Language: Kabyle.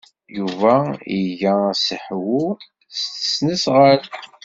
Yuba iga asehwu s tesnasɣalt.